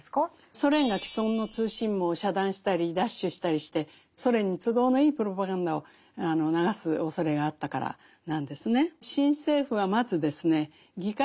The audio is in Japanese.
ソ連が既存の通信網を遮断したり奪取したりしてソ連に都合のいいプロパガンダを流すおそれがあったからなんですね。